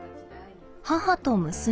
母と娘。